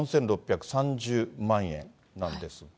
４６３０万円なんですが。